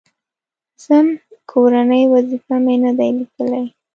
_ځم، کورنۍ وظيفه مې نه ده ليکلې.